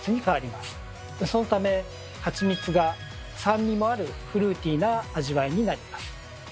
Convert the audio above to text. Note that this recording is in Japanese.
そのためハチミツが酸味もあるフルーティーな味わいになります。